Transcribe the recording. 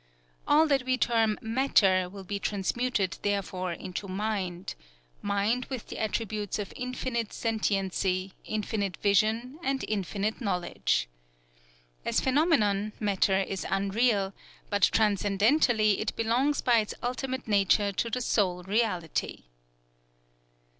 All that we term matter will be transmuted therefore into Mind, Mind with the attributes of Infinite Sentiency, Infinite Vision, and Infinite Knowledge. As phenomenon, matter is unreal; but transcendentally it belongs by its ultimate nature to the Sole Reality.